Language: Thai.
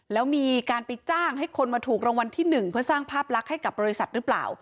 แล้วมีการไปจ้างให้คนมาถูกรางวัลที่๑เพื่อสร้างภาพลักษณ์ให้กับบริษัทหรือเปล่า